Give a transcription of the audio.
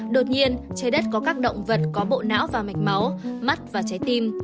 đột nhiên trái đất có các động vật có bộ não và mạch máu mắt và trái tim